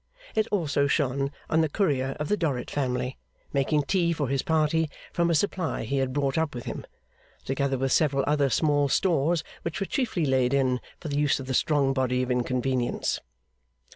It also shone on the courier of the Dorrit family, making tea for his party from a supply he had brought up with him, together with several other small stores which were chiefly laid in for the use of the strong body of inconvenience.